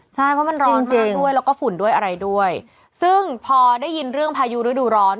ใช่เพราะมันร้อนจริงด้วยแล้วก็ฝุ่นด้วยอะไรด้วยซึ่งพอได้ยินเรื่องพายุฤดูร้อน